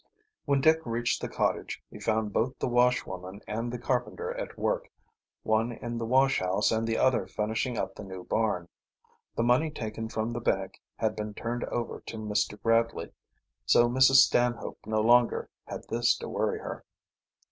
When Dick reached the cottage he found both the washwoman and the carpenter at work, one in the wash house and the other finishing up the new barn. The money taken from the bank had been turned over to Mr. Gradley, so Mrs. Stanhope no longer had this to worry her.